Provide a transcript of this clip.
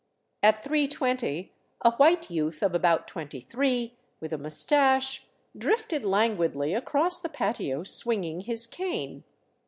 At 3 :20 a white youth of about twenty three, with a mustache, drifted languidly across the patio swinging his cane.